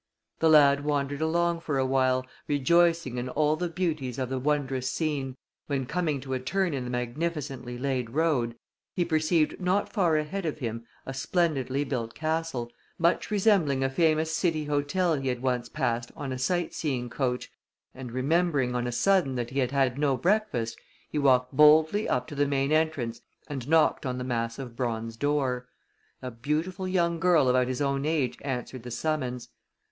The lad wandered along for a while, rejoicing in all the beauties of the wondrous scene, when, coming to a turn in the magnificently laid road, he perceived not far ahead of him a splendidly built castle, much resembling a famous city hotel he had once passed on a sight seeing coach, and, remembering on a sudden that he had had no breakfast, he walked boldly up to the main entrance and knocked on the massive bronze door. A beautiful young girl about his own age answered the summons.